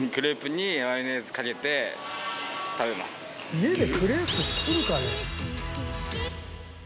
家でクレープ作るかね？